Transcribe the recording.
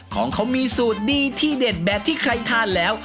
ของเขามีสูตรดีที่เด็ดแบบที่ใครทานแล้ว